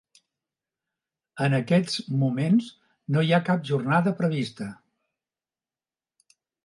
En aquests moments no hi ha cap jornada prevista.